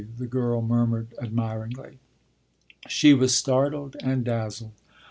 the girl murmured admiringly. She was startled and dazzled.